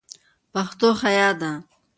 پښتو حیا ده